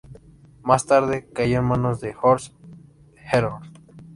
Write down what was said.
Más tarde cayó en manos de Horst Herold.